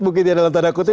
bukitnya dalam tanda kutip